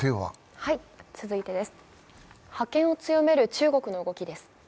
覇権を強める中国の動きです。